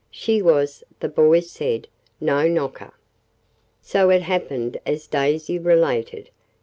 She was, the boys said, "no knocker." So it happened as Daisy related.